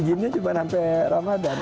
ijinnya cuma sampai ramadhan